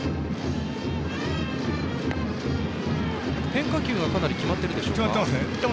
変化球がかなり決まっているでしょうか。